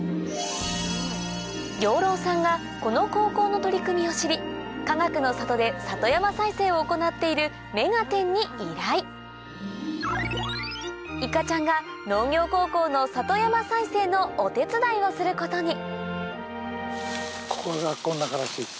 養老さんがこの高校の取り組みを知りかがくの里で里山再生を行っている『目がテン！』に依頼いかちゃんが農業高校の里山再生のお手伝いをすることにここ学校の中らしいです。